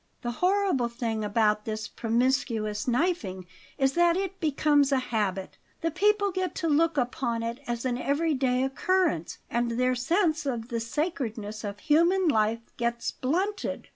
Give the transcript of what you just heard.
The horrible thing about this promiscuous knifing is that it becomes a habit. The people get to look upon it as an every day occurrence, and their sense of the sacredness of human life gets blunted.